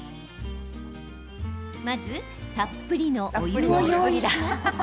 まず、たっぷりのお湯を用意します。